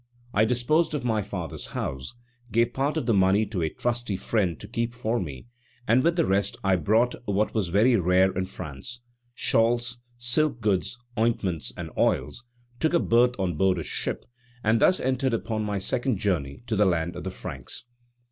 I disposed of my father's house, gave part of the money to a trusty friend to keep for me, and with the rest I bought what are very rare in France, shawls, silk goods, ointments, and oils, took a berth on board a ship, and thus entered upon my second journey to the land of the Franks.